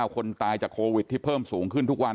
คนตายจากโควิดที่เพิ่มสูงขึ้นทุกวัน